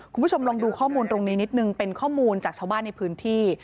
คุณผู้ชมลองดูข้อมูลตรงนี้นิดนึงเป็นข้อมูลจากชาวบ้านในพื้นที่